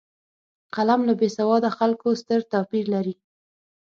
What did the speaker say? قلم له بېسواده خلکو ستر توپیر لري